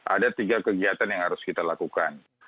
ada tiga kegiatan yang harus kita lakukan